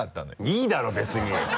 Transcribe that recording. いいだろ別に。